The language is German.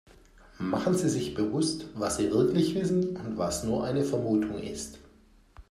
Machen Sie sich bewusst, was sie wirklich wissen und was nur eine Vermutung ist.